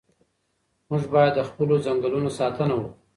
موږ باید د خپلو ځنګلونو ساتنه وکړو.